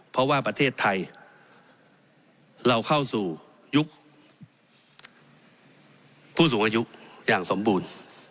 เพราะว่าประเทศไทยเราเข้าสู่ยุคผู้สูงอายุอย่างสมบูรณ์